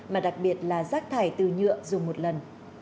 mà đặc biệt là rác thải từ nhựa dùng một lần